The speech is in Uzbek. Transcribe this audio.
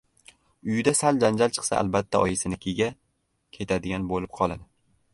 Uyida sal janjal chiqsa, albatta oyisinikiga «ketadigan» bo‘lib qoladi.